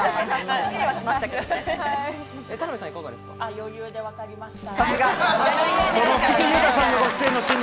余裕で分かりました。